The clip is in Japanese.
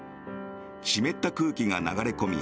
湿った空気が流れ込み